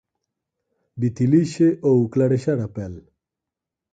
Vitilixe ou clarexar a pel?